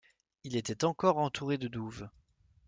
Il est encore entouré de douves.